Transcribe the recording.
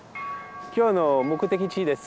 今日の目的地です